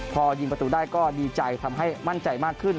พอยิงประตูได้ก็ดีใจทำให้มั่นใจมากขึ้น